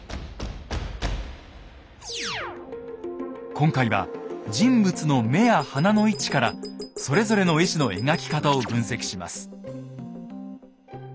今回は人物の目や鼻の位置からそれぞれの絵師の描き方を分析します。